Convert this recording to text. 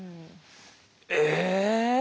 え！